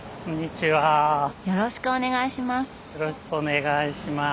よろしくお願いします。